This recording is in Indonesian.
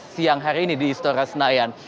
siang hari ini di istora senayan